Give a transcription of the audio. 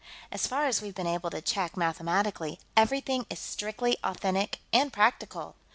As far as we've been able to check mathematically, everything is strictly authentic and practical.